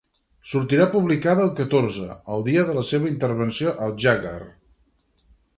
Sortirà publicada el catorze, el dia de la seva intervenció al Jaggar.